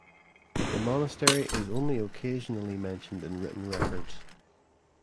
The monastery is only occasionally mentioned in written records.